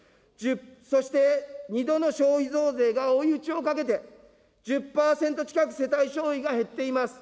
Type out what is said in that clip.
そして、２度の消費増税が追い打ちをかけて、１０％近く世帯消費が減っています。